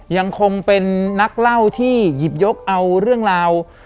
ยังคงเป็นนักเล่าที่หยิบยกเอาเรื่องราว